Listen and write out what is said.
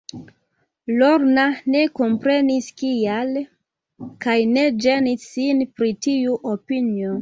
Lorna ne komprenis kial, kaj ne ĝenis sin pri tiu opinio.